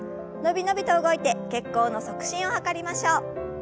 伸び伸びと動いて血行の促進を図りましょう。